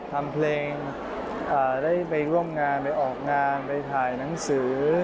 ทำเพลงได้ไปร่วมงานไปออกงานไปถ่ายหนังสือ